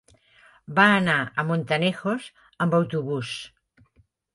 Va anar a Montanejos amb autobús.